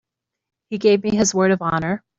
He gave me his word of honor.